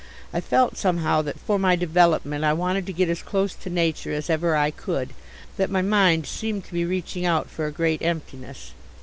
I felt somehow that for my development I wanted to get as close to nature as ever I could that my mind seemed to be reaching out for a great emptiness.